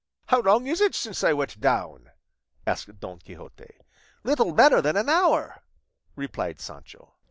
"How long is it since I went down?" asked Don Quixote. "Little better than an hour," replied Sancho.